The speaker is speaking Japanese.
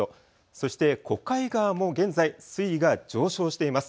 そして小貝川も現在水位が上昇しています。